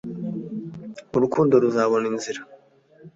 urukundo ruzabona inzira